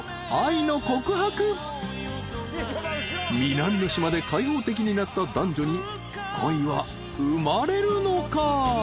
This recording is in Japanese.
［南の島で開放的になった男女に恋は生まれるのか？］